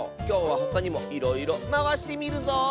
きょうはほかにもいろいろまわしてみるぞ。